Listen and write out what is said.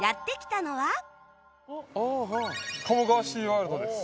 鴨川シーワールドです。